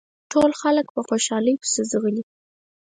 ټول خلک په خوشحالۍ پسې ځغلي.